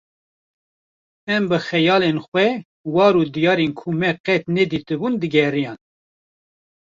em bi xeyalên xwe war û diyarên ku me qet nedîtibûn digeriyan